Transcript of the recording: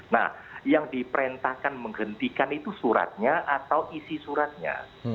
nah yang diperintahkan menghentikan itu suratnya atau isi suratnya